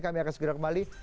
kami akan segera kembali